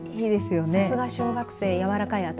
さすが小学生、やわらかい頭。